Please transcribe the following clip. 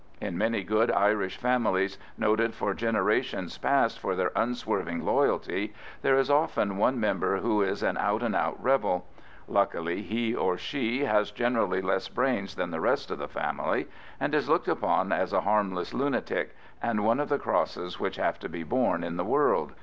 In many good Irish families, noted for generations past for their unswerving loyalty, there is often one member who is an out and out rebel. Luckily he or she has generally less brains than the rest of the family, and is looked upon as a harmless lunatic, and one of the crosses which have to be borne in the world.